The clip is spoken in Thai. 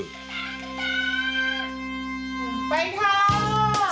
ไปครับ